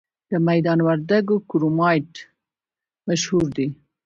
د میدان وردګو کرومایټ مشهور دی؟